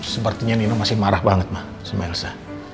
sepertinya nino masih marah banget mah elsa